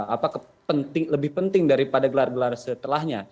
apa penting lebih penting daripada gelar gelar setelahnya